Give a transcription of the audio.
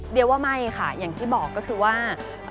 เดี๋ยวว่าไม่ค่ะอย่างที่บอกก็คือว่า